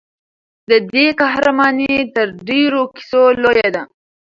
د دې قهرماني تر ډېرو کیسو لویه ده.